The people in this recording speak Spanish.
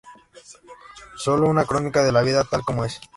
Solo una crónica de la vida tal como es.